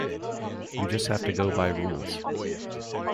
You just have to go by rules.